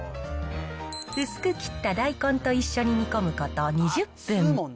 薄く切った大根と一緒に煮込むこと２０分。